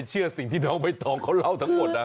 เชื่อสิ่งที่น้องใบตองเขาเล่าทั้งหมดนะ